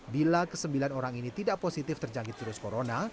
bila kesembilan orang ini tidak positif terjangkit virus corona